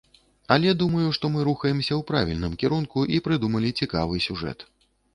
Але думаю, што мы рухаемся ў правільным кірунку і прыдумалі цікавы сюжэт.